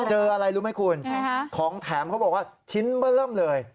เจออะไรรู้ไหมคุณของแถมเขาบอกว่าชิ้นเบอร์เริ่มเลย